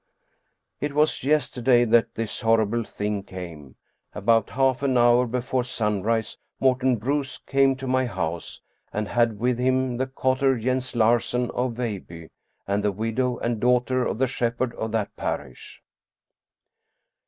It was yesterday that this horrible thing came. About half an hour before sunrise Morten Bruus came to my house and had with him the cotter Jens Larsen of Veilbye, 284 Stccn Stcensen Blichcr and the widow and daughter of the shepherd of that parish.